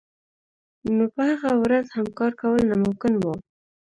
نو په هغه ورځ هم کار کول ناممکن وو